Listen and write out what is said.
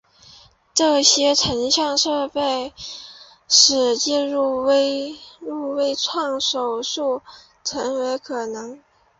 这些成像设备使介入微创手术成为可能。